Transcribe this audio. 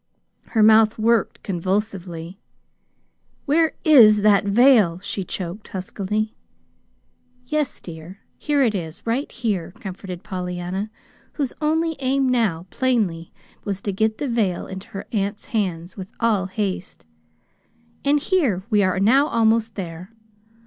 Her mouth worked convulsively. "Where is that veil?" she choked huskily. "Yes, dear. Here it is right here," comforted Pollyanna, whose only aim now, plainly, was to get the veil into her aunt's hands with all haste. "And here we are now almost there.